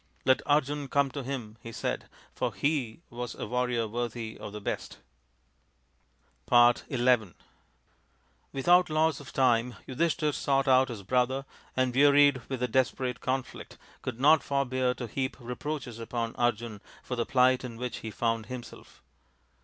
Let Arjun come to him, he said, for he was a warrior worthy of the best. XI Without loss of time Yudhishthir sought out his brother, and, wearied with the desperate conflict, H ii4 THE INDIAN STORY BOOK could not forbear to heap reproaches upon Arjun for the plight in which he found himself.